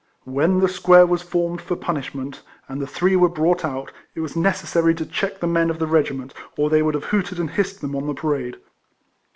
When the square was formed for punish ment, and the three were brought out, it was necessary to check the men of the regiment, or they would have hooted and hissed them on the parade.